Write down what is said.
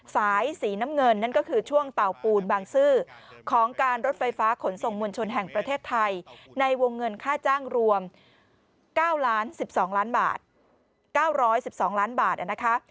สายสีน้ำเงินนั่นก็คือช่วงเต่าปูนบางซื่อของการรถไฟฟ้าขนส่งมวลชนแห่งประเทศไทยในวงเงินค่าจ้างรวม๙๑๒ล้านบาท๙๑๒ล้านบาทนะคะ